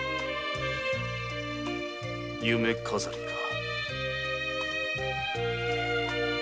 夢飾りか。